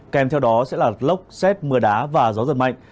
kèm theo đó sẽ là lốc xét mưa đá và gió giật mạnh